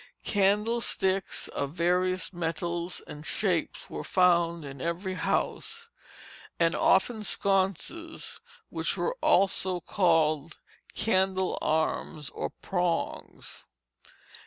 Candle sticks of various metals and shapes were found in every house; and often sconces, which were also called candle arms, or prongs.